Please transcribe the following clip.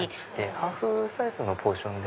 ハーフサイズのポーションでも。